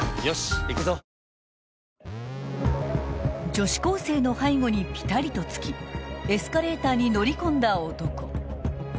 ［女子高生の背後にピタリとつきエスカレーターに乗り込んだ男］